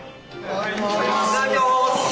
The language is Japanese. いただきます！